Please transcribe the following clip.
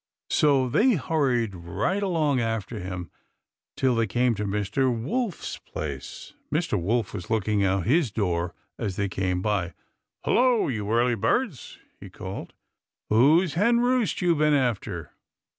So they hurried right along after him till they came to Mr. Wolf's place. Mr. Wolf was looking out of his door as they came by. "Hello, you early birds!" he called. "Whose hen roost you been after?"